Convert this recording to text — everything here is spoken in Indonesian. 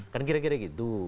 kan kira kira gitu